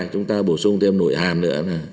chúng ta bổ sung thêm nội hàm nữa